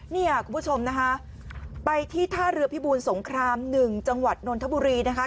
เนี่ยคุณผู้ชมนะคะไปที่ท่าเรือพิบูลสงคราม๑จังหวัดนนทบุรีนะคะ